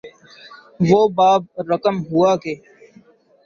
وہ باب رقم ہوا کہ